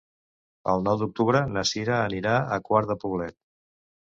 El nou d'octubre na Sira anirà a Quart de Poblet.